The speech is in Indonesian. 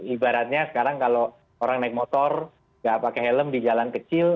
ibaratnya sekarang kalau orang naik motor nggak pakai helm di jalan kecil